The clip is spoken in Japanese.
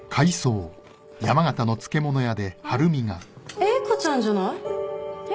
英子ちゃんじゃない？えっ？